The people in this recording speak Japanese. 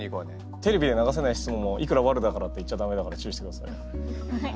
テレビで流せない質問もいくらワルだからって言っちゃダメだから注意してください。